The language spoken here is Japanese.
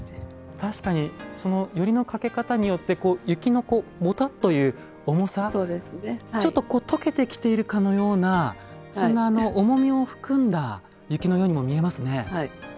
確かに撚りのかけ方によって雪のもたっという重さちょっと解けてきているかのようなそんな重みを含んだ雪のようにも見えますね。